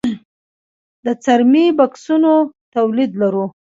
د څرمي بکسونو تولید لرو؟